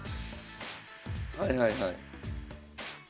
はいはいはい。